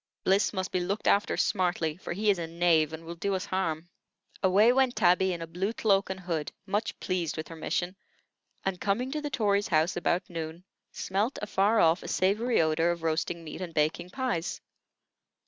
Bliss must be looked after smartly, for he is a knave, and will do us harm." Away went Tabby in a blue cloak and hood, much pleased with her mission; and, coming to the Tory's house about noon, smelt afar off a savory odor of roasting meat and baking pies.